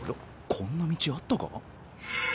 こんな道あったか？